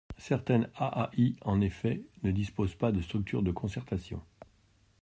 Certaines AAI, en effet, ne disposent pas de structures de concertation.